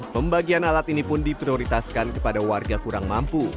pembagian alat ini pun diprioritaskan kepada warga kurang mampu